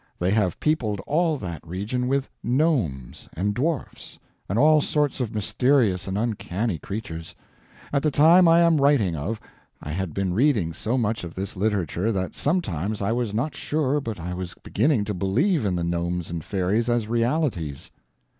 They have peopled all that region with gnomes, and dwarfs, and all sorts of mysterious and uncanny creatures. At the time I am writing of, I had been reading so much of this literature that sometimes I was not sure but I was beginning to believe in the gnomes and fairies as realities.